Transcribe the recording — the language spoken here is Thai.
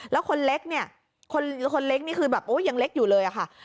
แล้วคนเล็กเนี่ยคนเล็กนี่คือแบบโอ้ยังเล็กอยู่เลยอะค่ะ